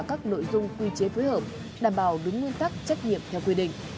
các nội dung quy chế phối hợp đảm bảo đúng nguyên tắc trách nhiệm theo quy định